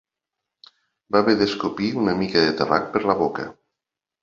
Va haver d'escopir una mica de tabac de la boca.